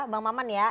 bang maman ya